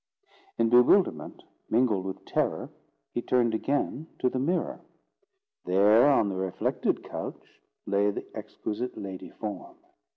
In bewilderment, mingled with terror, he turned again to the mirror: there, on the reflected couch, lay the exquisite lady form.